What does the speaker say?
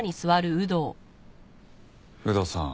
有働さん。